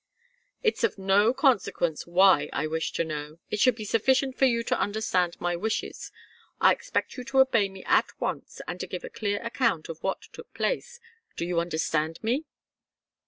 "It's of no consequence why I wish to know. It should be sufficient for you to understand my wishes. I expect you to obey me at once and to give a clear account of what took place. Do you understand me?"